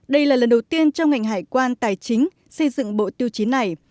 đây là lần đầu tiên trong ngành hải quan tài chính xây dựng bộ tiêu chí này